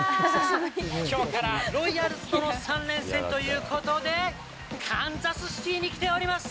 きょうからロイヤルズとの３連戦ということで、カンザスシティに来ております。